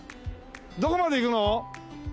どこまで行くの？